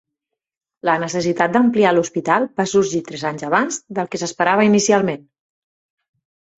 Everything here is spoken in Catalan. La necessitat d'ampliar l'hospital va sorgir tres anys abans del que s'esperava inicialment.